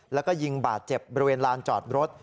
แล้วก็ยิงบาดเจ็บบริเวณลานจอดรถ